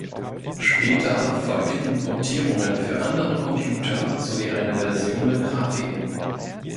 Später folgten Portierungen für andere Computer sowie eine Version mit Grafiken.